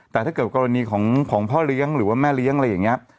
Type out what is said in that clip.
แต่ถ้าเกิดกรณีของพ่อเลี้ยงหรือว่าแม่เลี้ยงอะไรอย่างนี้